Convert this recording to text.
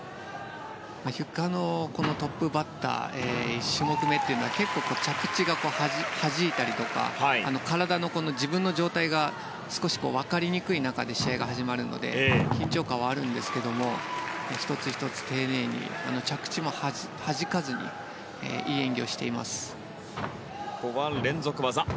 ゆかのトップバッター１種目めというのは結構、着地がはじいたり体の自分の状態が少し分かりにくい中でスタートするので緊張感はあるんですけれども１つ１つ丁寧に着地もはじかずにいい演技をしています。